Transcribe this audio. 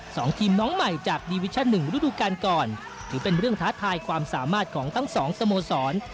สองทีมน้องใหม่จากดีวิชั่นหนึ่งฤดูการก่อนถือเป็นเรื่องท้าทายความสามารถของทั้งสองสโมสร